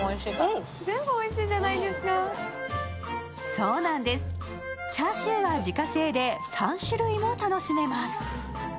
そうなんです、チャーシューは自家製で３種類も楽しめます。